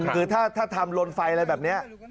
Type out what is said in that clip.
คือถ้าทำลนไฟอะไรแบบนี้